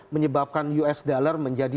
menyebabkan us dollar menjadi